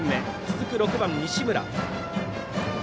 続く６番、西村。